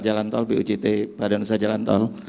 jalan tol bujt badan usaha jalan tol